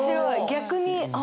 逆に。